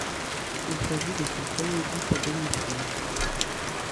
Il s'agit de son premier but à domicile.